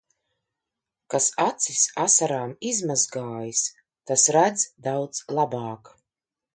Kas acis asarām izmazgājis, tas redz daudz labāk.